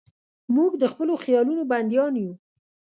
موږ د خپلو خیالونو بندیان یو.